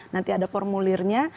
nanti ada formulirnya